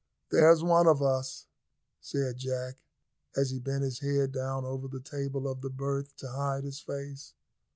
"There's one of us gone," said Jack, as he bent his head down over the table of the berth to hide his face.